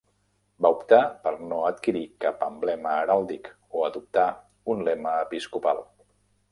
Va optar per no adquirir cap emblema heràldic o adoptar un lema episcopal.